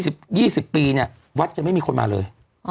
๒๐ปีเนี่ยวัดจะไม่มีคนมาเลย